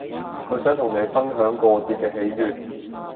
佢想同你分享過節嘅喜悅